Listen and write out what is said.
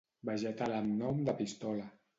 Vegetal amb nom de pistola.